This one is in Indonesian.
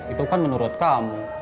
itu kan menurut kamu